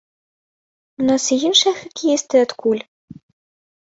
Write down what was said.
У нас і іншыя хакеісты адкуль?